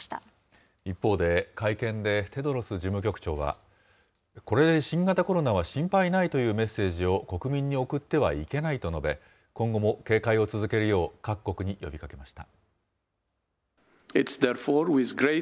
一方で、会見でテドロス事務局長は、これで新型コロナは心配ないというメッセージを国民に送ってはいけないと述べ、今後も警戒を続けるよう各国に呼びかけました。